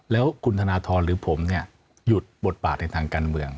แล้วคุณธนทรหรือผมเนี่ยหยุดบทบาทในทางการเมือง